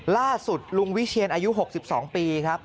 ล่าสุดลุงวิเชียนอายุ๖๒ปีครับ